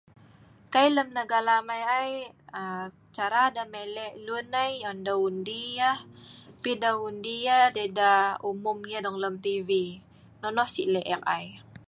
Kai lem negara amai ai, cara deh mile' lun ai, an deh undi yah pi deh undi yah an deh umum yah lem TV,no oh si lek ek ai